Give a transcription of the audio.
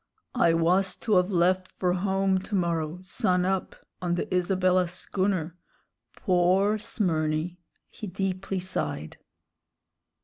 "I was to of left for home to morrow, sun up, on the Isabella schooner. Pore Smyrny!" He deeply sighed.